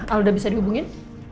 al udah bisa dihubungin